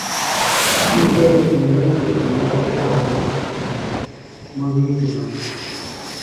تی یئیئۡ تھےۡ منِیتوۡ کی مہ تِرݜہ ہلاخ بِھلوۡ مہ وی پِلانوۡ۔